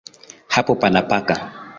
Hapo pana paka.